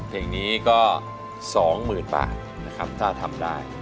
เพลงนี้ก็สองหมื่นบาทนะครับถ้าทำได้